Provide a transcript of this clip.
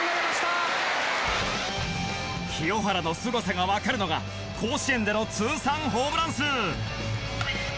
清原のすごさがわかるのが甲子園での通算ホームラン数。